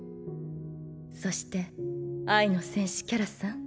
そして愛の戦士キャラさん。